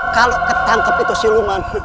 kalo ketangkep itu siluman